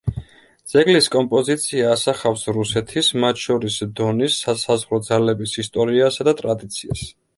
ძეგლის კომპოზიცია ასახავს რუსეთის, მათ შორის დონის, სასაზღვრო ძალების ისტორიასა და ტრადიციას.